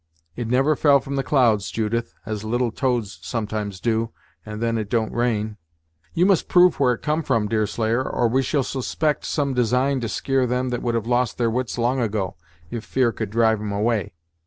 "It never fell from the clouds, Judith, as little toads sometimes do, and then it don't rain." "You must prove where it come from, Deerslayer, or we shall suspect some design to skear them that would have lost their wits long ago, if fear could drive 'em away."